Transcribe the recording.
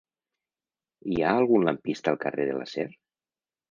Hi ha algun lampista al carrer de l'Acer?